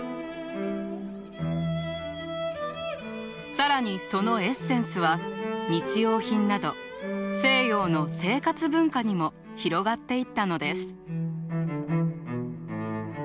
更にそのエッセンスは日用品など西洋の生活文化にも広がっていったのです。